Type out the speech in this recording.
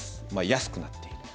安くなっている。